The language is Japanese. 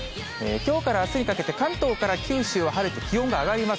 きょうからあすにかけて、関東から九州は晴れて、気温が上がります。